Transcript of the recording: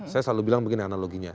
saya selalu bilang begini analoginya